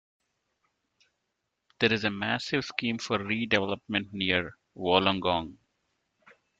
There is a massive scheme for redevelopment near Wollongong.